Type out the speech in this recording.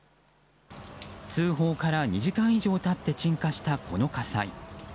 通報から２時間以上経って鎮火した、この火災。